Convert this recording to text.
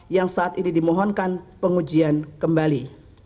yang saat ini dimohonkan pengujian kembali